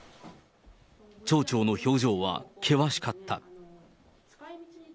町長の表情は険しかった。